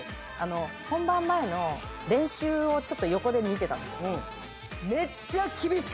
本番前の練習をちょっと横で見てたんですよ。